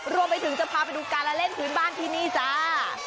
รวมไปถึงจะพาไปดูการละเล่นพื้นบ้านที่นี่จ้า